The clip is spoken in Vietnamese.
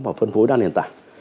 và phân phối đa nền tảng